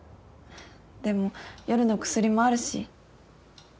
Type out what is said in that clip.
でも夜の薬もあるし。